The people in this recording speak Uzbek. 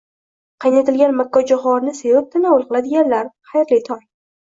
Qaynatilgan makkajo'xorini sevib tanovvul qiladiganlar, xayrli tong!